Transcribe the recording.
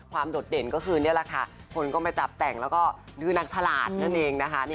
โดดเด่นก็คือนี่แหละค่ะคนก็มาจับแต่งแล้วก็ดื้อนักฉลาดนั่นเองนะคะ